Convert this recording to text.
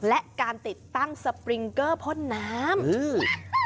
และการติดตั้งสปริงเกอร์พ่นน้ำอืม